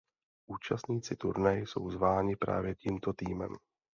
Účastníci turnaje jsou zváni právě tímto týmem.